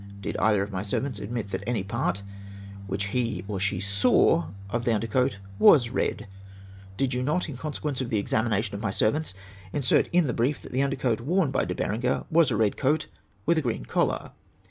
Did either of my servants admit that any part which he or she SAW of the under coat was red ? Did you not, in consequence of the examination of my servants, insert in the brief that the under coat worn by De Berenger was a red coat with a green collar